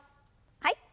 はい。